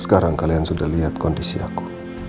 sekarang kalian sudah lihat kondisi aku